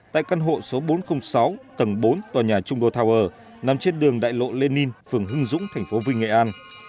tại căn hộ số bốn trăm linh sáu tầng bốn tòa nhà trung đô tower nằm trên đường đại lộ lê ninh phường hưng dũng thành phố vinh nghệ an